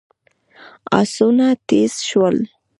آسونه تېز شول.